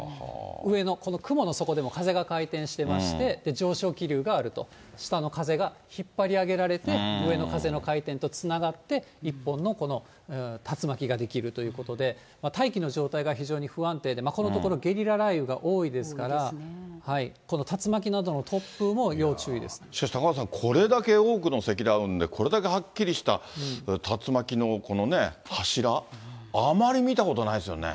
上のこの雲の底でも風が回転してまして、上昇気流があると、下の風が引っ張り上げられて、上の風の回転とつながって、一本のこの竜巻が出来るということで、大気の状態が非常に不安定で、このところ、ゲリラ雷雨が多いですから、しかし、高岡さん、これだけ多くの積乱雲で、これだけはっきりした竜巻の、このね、柱、あまり見たことないですよね。